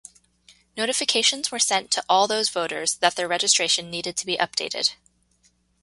Notifications were sent to all those voters that their registration needed to be updated.